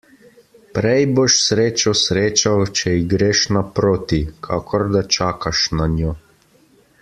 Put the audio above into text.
Prej boš srečo srečal, če ji greš naproti, kakor da čakaš nanjo.